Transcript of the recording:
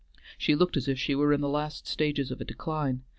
She looked as if she were in the last stages of a decline.